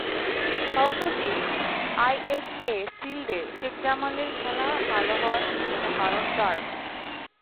সম্প্রতি আইএফএ শিল্ডে শেখ জামালের খেলা ভালো হওয়ার অন্যতম কারণ টার্ফ।